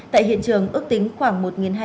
tại hiện trường ước tính khoảng một hai trăm năm mươi